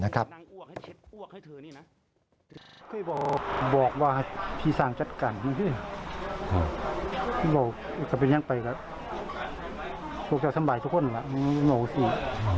เคยบอกว่าพี่สาหร่างจัดการอยู่ด้วย